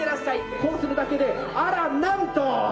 こうするだけで、あらなんと。